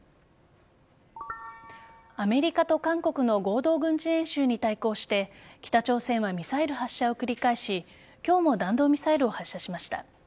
アメリカと韓国の合同軍事演習に対抗して北朝鮮はミサイル発射を繰り返し今日も弾道ミサイルを発射しました。